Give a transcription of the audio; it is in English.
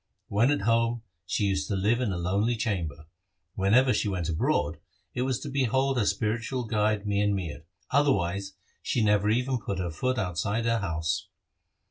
When at home, she used to dwell in a lonely chamber. When ever she went abroad, it was to behold her spiritual guide Mian Mir ; otherwise she never even put her foot outside her house.